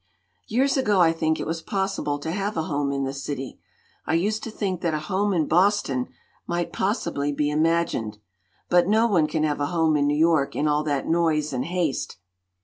"Years ago, I think, it was possible to have a home in the city. I used to think that a home in Boston might possibly be imagined. But no one can have a home in New York in all that noise and haste.